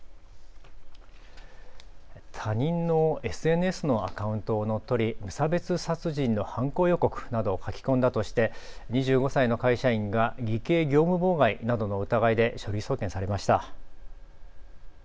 他人のＳＮＳのアカウントを乗っ取り、無差別殺人の犯行予告などを書き込んだとして２５歳の会社員が偽計業務妨害などの疑いで書類送検されました。